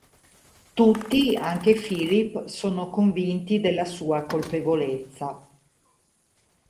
Tutti, anche Philip, sono convinti della sua colpevolezza.